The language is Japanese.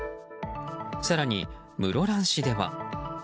更に、室蘭市では。